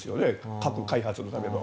核開発のための。